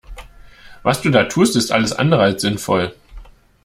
Was du da tust ist alles andere als sinnvoll.